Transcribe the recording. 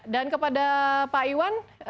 dan kepada pak iwan